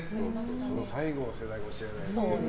その最後の世代かもしれない。